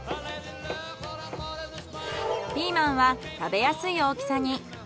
ピーマンは食べやすい大きさに。